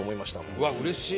うわっうれしい！